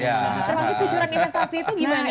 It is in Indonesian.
terutama sih kujuran investasi itu gimana itu